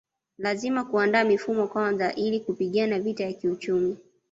Lazima kuandaa mifumo kwanza ili kupigana vita ya kiuchumi